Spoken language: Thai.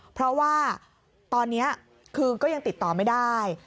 เพราะว่าตอนนี้คือก็ยังติดต่อไม่ได้